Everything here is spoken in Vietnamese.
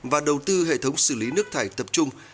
và đầu tư hệ thống xử lý nước thải tập trung